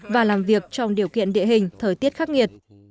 và làm việc trong điều kiện địa hình thời tiết khắc nghiệt